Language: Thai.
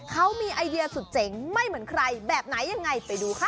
เขามีไอเดียสุดเจ๋งไม่เหมือนใครแบบไหนยังไงไปดูค่ะ